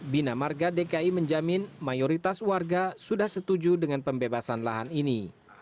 bina marga dki menjamin mayoritas warga sudah setuju dengan pembebasan lahan ini